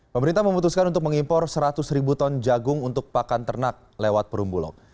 pemerintah memutuskan untuk mengimpor seratus ribu ton jagung untuk pakan ternak lewat perumbulok